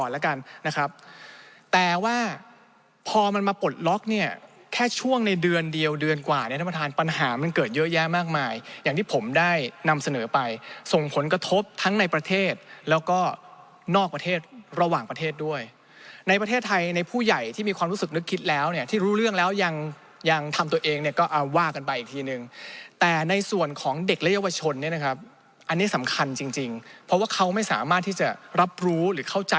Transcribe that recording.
แล้วเมื่อสักครู่เนี่ยผมก็ชี้เห็นแล้วว่าให้เรามีความเสี่ยงกับการถูก